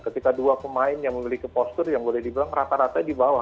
ketika dua pemain yang memiliki postur yang boleh dibilang rata rata di bawah